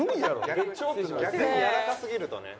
逆にやわらかすぎるとね。